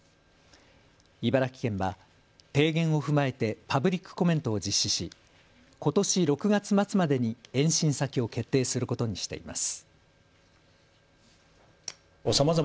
茨城県は提言を踏まえてパブリックコメントを実施しことし６月末までに延伸先を決定することにしています。